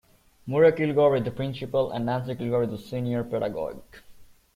Murray Kilgour is the principal and Nancy Kilgour is the senior pedagogue.